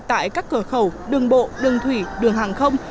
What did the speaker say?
tại các cửa khẩu đường bộ đường thủy đường hàng không